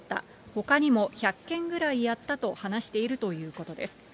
ほかにも１００件ぐらいやったと話しているということです。